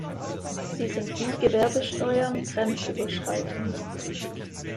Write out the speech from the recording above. Sie sind wie Gewerbesteuern grenzüberschreitend.